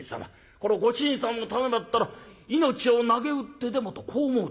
このご主人様のためだったら命をなげうってでも』とこう思うだろう」。